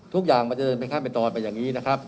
ทุกอย่างมันจะเดินไปข้ามไปต่อไปอย่างนี้นะครับ